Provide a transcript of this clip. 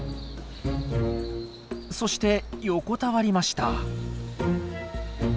そして横たわりました。